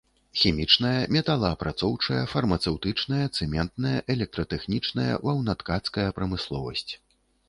Хімічная, металаапрацоўчая, фармацэўтычная, цэментная, электратэхнічная, ваўнаткацкая прамысловасць.